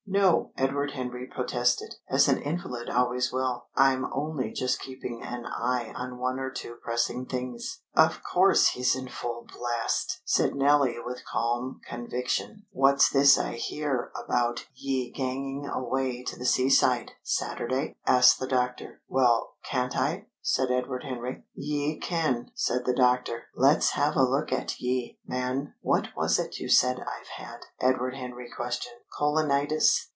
"No!" Edward Henry protested, as an invalid always will. "I'm only just keeping an eye on one or two pressing things." "Of course he's in full blast!" said Nellie with calm conviction. "What's this I hear about ye ganging away to the seaside, Saturday?" asked the doctor. "Well, can't I?" said Edward Henry. "Ye can," said the doctor. "Let's have a look at ye, man." "What was it you said I've had?" Edward Henry questioned. "Colonitis."